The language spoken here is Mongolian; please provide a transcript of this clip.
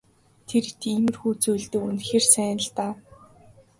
Тэр иймэрхүү зүйлдээ үнэхээр сайн л даа.